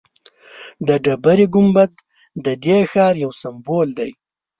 د ډبرې ګنبد ددې ښار یو سمبول دی.